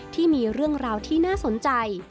ที่มีเรื่องราวที่น่าสนใจ